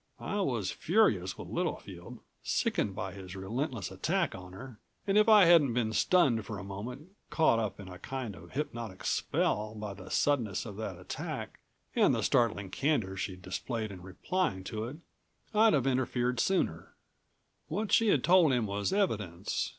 I was furious with Littlefield, sickened by his relentless attack on her and if I hadn't been stunned for a moment, caught up in a kind of hypnotic spell by the suddenness of that attack and the startling candor she'd displayed in replying to it I'd have interfered sooner. What she'd told him was evidence.